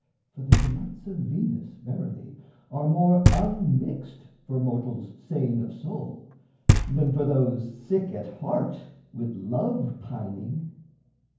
For the delights of Venus, verily, Are more unmixed for mortals sane of soul Than for those sick at heart with love pining.